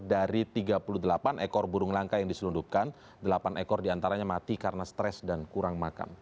dari tiga puluh delapan ekor burung langka yang diselundupkan delapan ekor diantaranya mati karena stres dan kurang makam